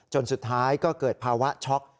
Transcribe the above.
สุดท้ายก็เกิดภาวะช็อก